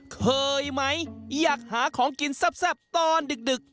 เคยไหมอยากหาของกินแซ่บตอนดึก